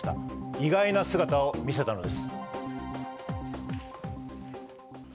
意外な姿を見せたのです。